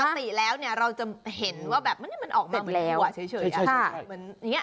ปกติแล้วเนี่ยเราจะเห็นว่าแบบมันออกมาหมดแล้วเฉย